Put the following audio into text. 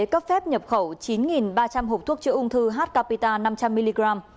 cấp phép nhập khẩu chín ba trăm linh hộp thuốc chữa ung thư h capita năm trăm linh mg